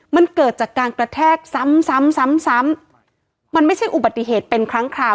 มันเกิดจากการกระแทกซ้ำซ้ำซ้ำซ้ำมันไม่ใช่อุบัติเหตุเป็นครั้งคราว